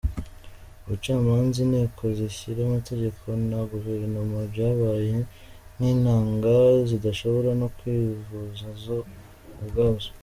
Ubucamanza, Inteko zishyiraho amategeko na guverinoma, byabaye nk’inanga zidashobora no kwivuza zo ubwazo!